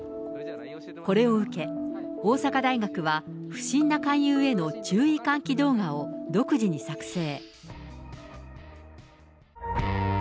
これを受け、大阪大学は、不審な勧誘への注意喚起動画を独自に作成。